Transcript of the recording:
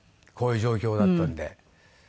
こういう状況だったんで。